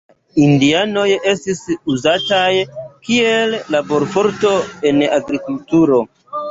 La indianoj estis uzataj kiel laborforto en agrikulturo.